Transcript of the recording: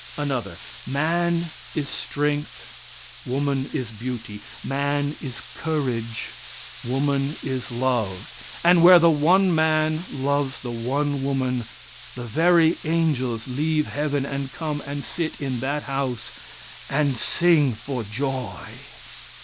Another: "Man is strength, woman is beauty; man is courage, woman is love; and where the one man loves the one woman the very angels leave heaven and come and sit in that house and sing for joy."